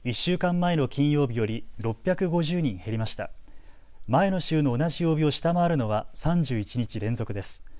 前の週の同じ曜日を下回るのは３１日連続です。